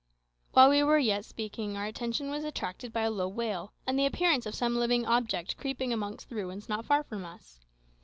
While we were yet speaking our attention was attracted by a low wail, and the appearance of some living object creeping amongst the ruins not far from us.